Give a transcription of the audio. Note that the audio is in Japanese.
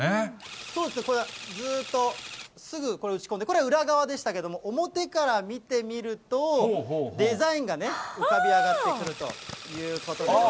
これ、ずっと、すぐ、これ、打ち込んで、これは裏側でしたけれども、表から見てみると、デザインがね、浮かび上がってくるということでね。